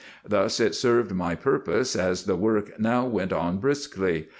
Thus it served my purpose, as the work now went on briskly.